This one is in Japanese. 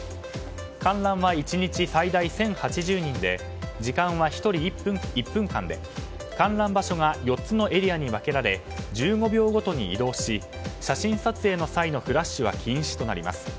観覧は１日最大１０８０人で時間は１人１分間で観覧場所は４つのエリアに分けられ１５秒ごとに移動し写真撮影の際のフラッシュは禁止となります。